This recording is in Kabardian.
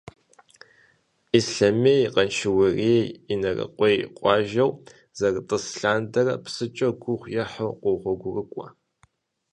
Ислъэмейр, Къаншыуейр, Инарыкъуейр къуажэу зэрытӏыс лъандэрэ псыкӏэ гугъу ехьу къогъуэгурыкӏуэ.